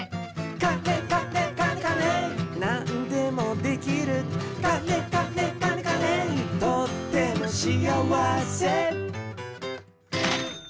「カネカネカネカネなんでもできる」「カネカネカネカネとっても幸せ」